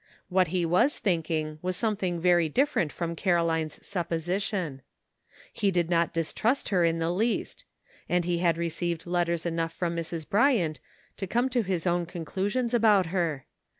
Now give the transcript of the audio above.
What he was thinking was something very different from Caroline's supposition. He did not dis trust her in the least; and he had received letters enough from Mrs. Bryant to come to his own conclusions about her.